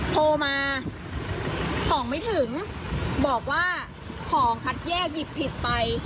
โทรมาของไม่ถึงบอกว่าของคัดแยกหยิบผิดไป